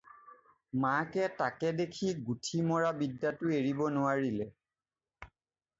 মাকে তাকে দেখি গুঠি মৰা বিদ্যাটো এৰিব নোৱাৰিলে।